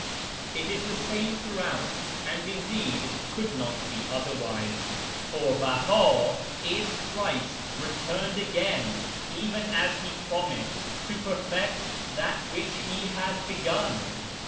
It is the same throughout, and, indeed, could not be otherwise, for Beha is Christ returned again, even as He promised, to perfect that which He had begun.